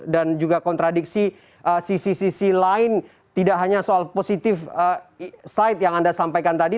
dan juga kontradiksi sisi sisi lain tidak hanya soal positif side yang anda sampaikan tadi